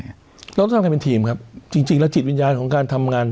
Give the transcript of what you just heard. เราต้องทำกันเป็นทีมครับจริงจริงแล้วจิตวิญญาณของการทำงาน